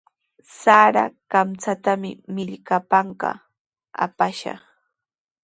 Sara kamchatami millkapanpaq apashqa.